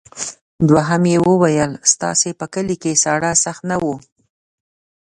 دوهم یې وویل ستاسې په کلي کې ساړه سخت نه وو.